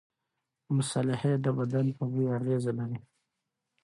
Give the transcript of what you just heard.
مصالحې د بدن په بوی اغېزه لري.